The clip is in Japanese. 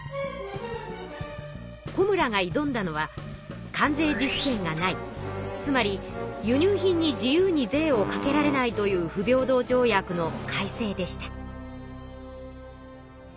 小村が挑んだのは関税自主権がないつまり輸入品に自由に税をかけられないという不平等条約の改正でした。